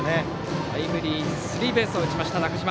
タイムリースリーベースを打ちました、中島。